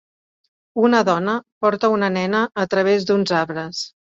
Una dona porta una nena a través d'uns arbres.